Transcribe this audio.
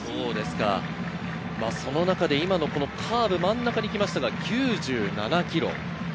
その中で今のカーブ、真ん中にいきましたが９７キロ。